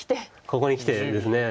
ここにきてです。